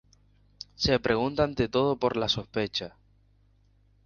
Se pregunta ante todo por la sospecha.